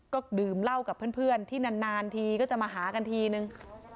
ก็ดื่มเหล้ากับเพื่อนที่นานทีก็จะมาหากันทีนึง